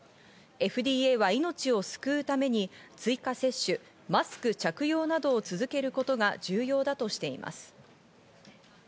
ＦＤＡは命を救うために追加接種、マスク着用などを続けることが重要だとしています。